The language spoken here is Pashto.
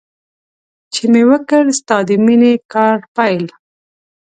چې مې وکړ ستا د مینې کار پیل.